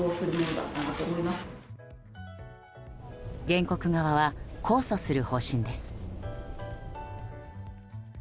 原告側は控訴する方針です。